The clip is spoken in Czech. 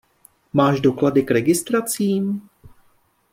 Máš doklady k registracím?